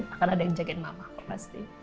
akan ada yang jagain mama aku pasti